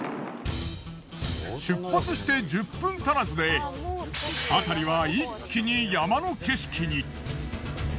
出発して１０分たらずであたりは一気に山の景色に。